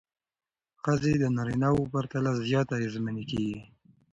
ښځې د نارینه وو پرتله زیات اغېزمنې کېږي.